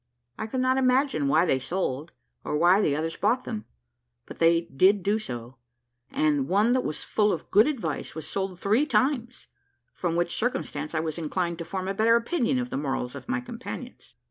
I could not imagine why they sold, or why the others bought them; but they did do so; and one that was full of good advice was sold three times, from which circumstance I was inclined to form a better opinion of the morals of my companions.